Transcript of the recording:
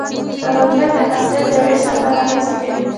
کروندګر د حاصل د ویش لپاره هڅې کوي